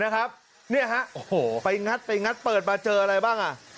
ไปยังไปยังเปิดมาเจออะไรบ้าง